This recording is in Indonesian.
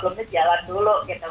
tiga puluh menit jalan dulu gitu